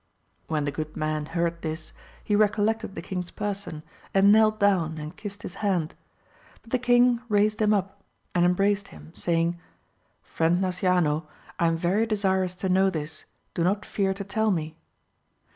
When the good man heard this he recollected the king's person and knelt down and kissed his hand, but the king raised him up and embraced him saying, Friend Nasciano, I am very desirous to know this, do not fear to tell me.